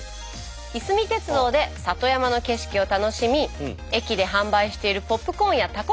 いすみ鉄道で里山の景色を楽しみ駅で販売しているポップコーンやたこ